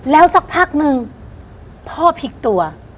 แล้วสักพักนึงพ่อพลิกตัว